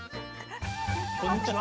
こんにちは！